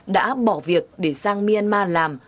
đã bỏ việc để sang myanmar làm